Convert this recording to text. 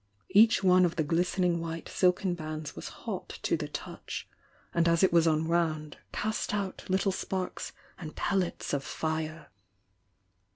Each one of the glistening white silken bands was hot to the touch, and as it was unwound, cast out little sparks and pellets of fire.